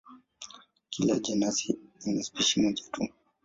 Kila jenasi ina spishi moja tu.